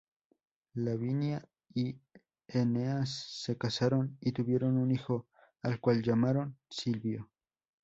Lavinia y Eneas se casaron y tuvieron un hijo, al cual llamaron Silvio.